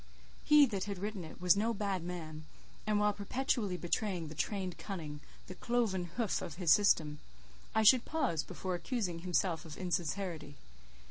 He that had written it was no bad man, and while perpetually betraying the trained cunning—the cloven hoof of his system—I should pause before accusing himself of insincerity.